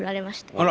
あら！